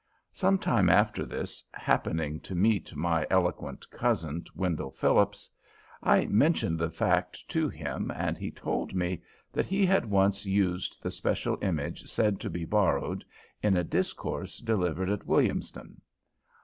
Some time after this, happening to meet my eloquent cousin, Wendell Phillips, I mentioned the fact to him, and he told me that he had once used the special image said to be borrowed, in a discourse delivered at Williamstown.